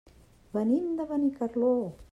Venim de Benicarló.